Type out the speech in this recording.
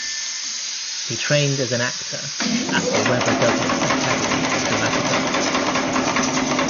He trained as an actor at the Webber Douglas Academy of Dramatic Art.